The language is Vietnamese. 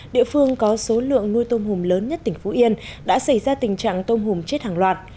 địa phương có số lượng nuôi tôm hùm lớn nhất tỉnh phú yên đã xảy ra tình trạng tôm hùm chết hàng loạt